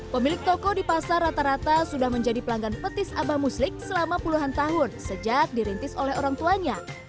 pemilik toko di pasar rata rata sudah menjadi pelanggan petis abah muslik selama puluhan tahun sejak dirintis oleh orang tuanya